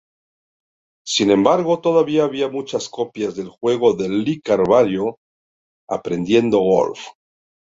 Sin embargo, todavía había muchas copias del juego de Lee Carvallo, "Aprendiendo Golf".